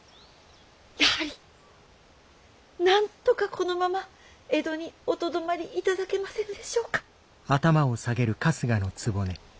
やはりなんとかこのまま江戸におとどまり頂けませぬでしょうか。